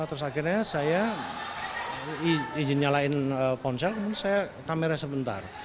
terus akhirnya saya izin nyalakan ponsel saya kameranya sebentar